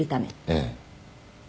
「ええ」